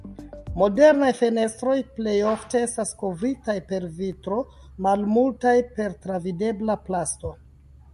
Modernaj fenestroj plejofte estas kovritaj per vitro; malmultaj per travidebla plasto.